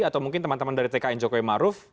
atau mungkin teman teman dari tkn jokowi maruf